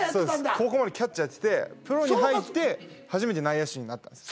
高校までキャッチャーやっててプロに入って初めて内野手になったんですよ。